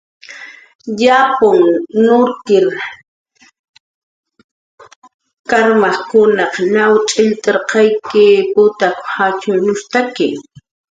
Yapn nurkir karmajkunaq naw ch'illtirqayk putak jatxyanushtaki